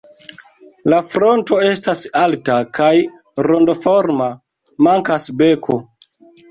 La fronto estas alta kaj rondoforma; mankas beko.